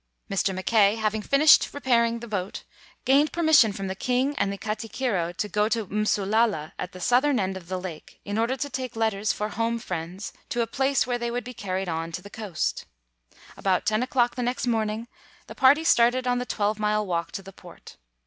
Mr. Mackay, having finished repairing the boat, gained permission from the king and the katikiro to go to Msulala at the south ern end of the lake in order to take letters for home friends to a place where they would be carried on to the coast. About ten o'clock the next morning, the party started on the twelve mile walk to the port.